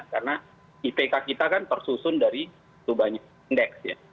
karena ipk kita kan tersusun dari banyak indeks ya